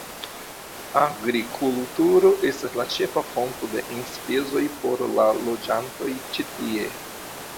Agrikulturo estas la ĉefa fonto de enspezoj por la loĝantoj ĉi tie.